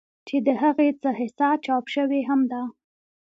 چې د هغې څۀ حصه چاپ شوې هم ده